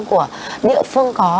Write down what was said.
của địa phương có